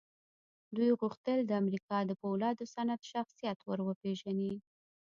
دوی غوښتل د امريکا د پولادو صنعت شخصيت ور وپېژني.